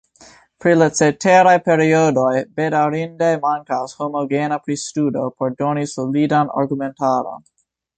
Pri la ceteraj periodoj bedaŭrinde mankas homogena pristudo por doni solidan argumentaron.